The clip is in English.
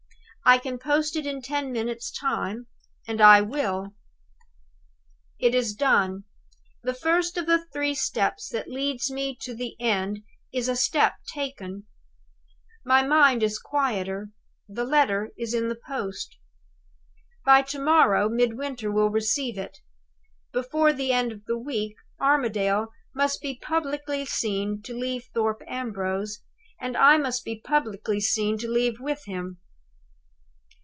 I can post it in ten minutes' time and I will! "It is done. The first of the three steps that lead me to the end is a step taken. My mind is quieter the letter is in the post. "By to morrow Midwinter will receive it. Before the end of the week Armadale must be publicly seen to leave Thorpe Ambrose; and I must be publicly seen to leave with him.